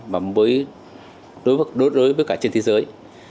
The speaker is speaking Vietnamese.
mà đối với cả trên thế giới